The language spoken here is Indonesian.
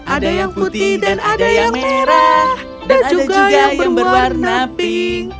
ada yang putih dan ada yang merah dan ada juga yang berwarna pink